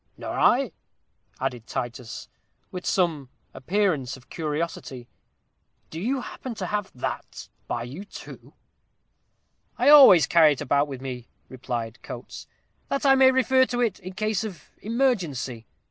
"Nor I," added Titus, with some appearance of curiosity; "do you happen to have that by you too?" "I always carry it about with me," replied Coates, "that I may refer to it in case of emergency.